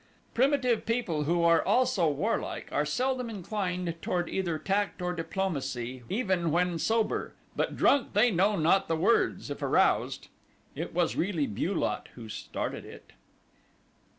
Primitive people who are also warlike are seldom inclined toward either tact or diplomacy even when sober; but drunk they know not the words, if aroused. It was really Bu lot who started it.